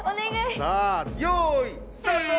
さあよいスタート！